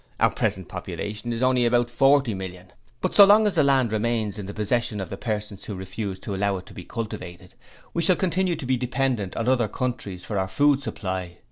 Our present population is only about forty millions, but so long as the land remains in the possession of persons who refuse to allow it to be cultivated we shall continue to be dependent on other countries for our food supply.